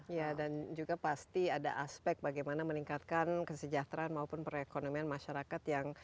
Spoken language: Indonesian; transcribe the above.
iya dan juga pasti ada aspek bagaimana meningkatkan kesejahteraan maupun perekonomian masyarakat yang lebih baik